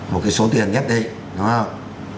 một cái số tiền nhất định đúng không